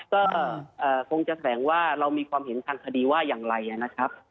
ก็คงจะแถลงว่าเรามีความเห็นทางคดีว่าอย่างไรนะครับ